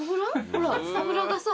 ほら油がさ